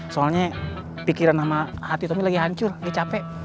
soalnya pikiran sama hati tommy lagi hancur lagi capek